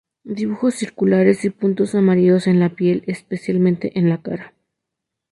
Dibujos circulares y puntos amarillos en la piel, especialmente en la cara.